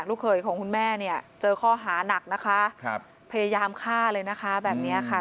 เคยของคุณแม่เนี่ยเจอข้อหานักนะคะครับพยายามฆ่าเลยนะคะแบบนี้ค่ะ